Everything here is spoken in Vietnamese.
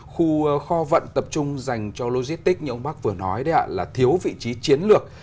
khu kho vận tập trung dành cho logistics như ông bắc vừa nói là thiếu vị trí chiến lược